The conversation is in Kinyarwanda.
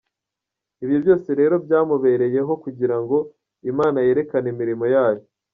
Ibyo byose rero byamubereye ho kugirango Imana yerekane imirimo yayo.